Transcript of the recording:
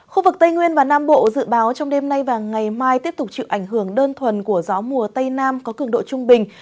khu vực tây nguyên và nam bộ dự báo trong đêm nay và ngày mai tiếp tục chịu ảnh hưởng đơn thuần của gió mùa tây nam có cường độ trung bình